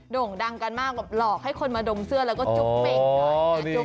ด่งดังกันมากหลอกให้คนมาดมเสื้อแล้วก็จุ๊บเป็นก่อน